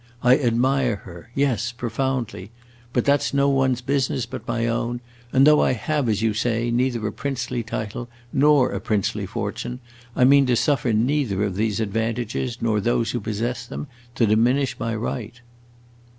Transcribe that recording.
I admire her yes, profoundly. But that 's no one's business but my own, and though I have, as you say, neither a princely title nor a princely fortune, I mean to suffer neither those advantages nor those who possess them to diminish my right."